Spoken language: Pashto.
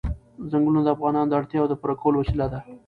ځنګلونه د افغانانو د اړتیاوو د پوره کولو وسیله ده.